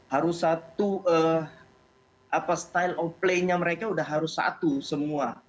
harus satu style of play nya mereka sudah harus satu semua